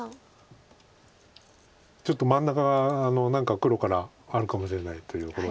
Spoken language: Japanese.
ちょっと真ん中が何か黒からあるかもしれないということで。